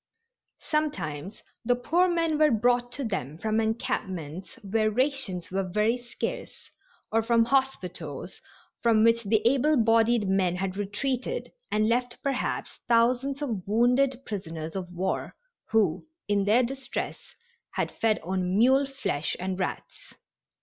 Sometimes the poor men were brought to them from encampments where rations were very scarce or from hospitals from which the able bodied men had retreated and left perhaps thousands of wounded prisoners of war, who, in their distress, had fed on mule flesh and rats.